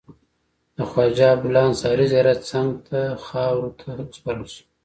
د خواجه عبدالله انصاري زیارت څنګ ته خاورو ته وسپارل شو.